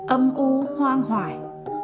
âm u hoang hoài